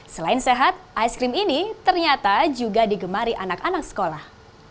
selain sehat ice cream ini ternyata juga digemari anak anak sekolah